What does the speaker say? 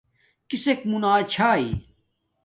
کسک مونا چھاݵ